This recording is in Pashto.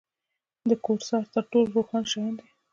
د کواسار تر ټولو روښانه شیان دي.